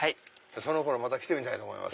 その頃来てみたいと思います。